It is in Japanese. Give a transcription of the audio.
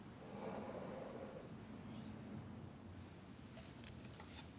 はい。